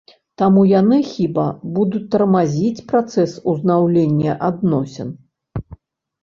Таму яны, хіба, будуць тармазіць працэс узнаўлення адносін.